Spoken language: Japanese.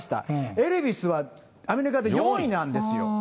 エルビスはアメリカで４位なんですよ。